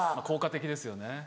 効果的ですよね。